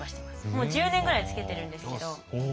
もう１０年ぐらいつけてるんですけど。